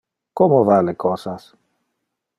Como va le cosas?